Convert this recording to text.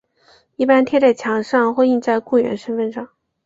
一般贴在墙上或印在雇员身份上。